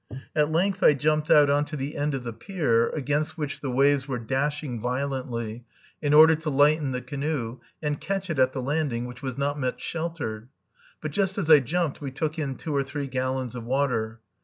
At length I jumped out on to the end of the pier, against which the waves were dashing violently, in order to lighten the canoe, and catch it at the landing, which was not much sheltered; but just as I jumped we took in two or three gallons of water.